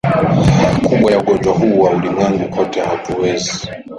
kubwa ya ugonjwa huu wa ulimwenguni kote hatuwezi